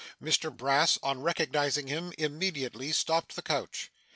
Mr Brass, on recognising him, immediately stopped the coach.